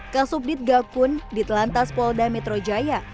ke subdit gakun di telantas polda metro jaya